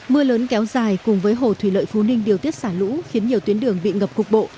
mưa lớn kéo dài cùng với hồ thủy lợi phú ninh điều tiết xả lũ khiến nhiều tuyến đường bị ngập cục bộ